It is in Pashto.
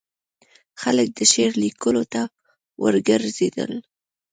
خلک د شعر لیکلو ته وروګرځېدل.